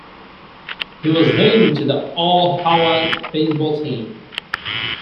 He was named to the All-Hawaii baseball team.